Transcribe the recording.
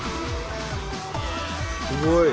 すごい！